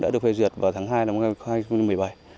đã được phê duyệt vào tháng hai năm hai nghìn hai mươi